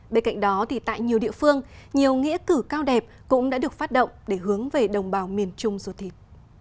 bên cạnh đó tại nhiều địa phương nhiều nghĩa cử cao đẹp cũng đã được phát động để hướng về đồng bào miền trung ruột thịt